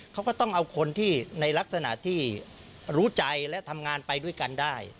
เขาก็ต้องเอาคนที่ในลักษณะที่รู้ใจและทำงานไปด้วยกันได้